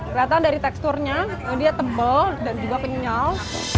kelihatan dari teksturnya dia tebal dan juga kenyal